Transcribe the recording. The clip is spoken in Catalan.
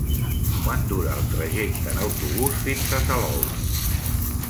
Quant dura el trajecte en autobús fins a Salou?